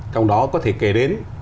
trong đó có thể kể đến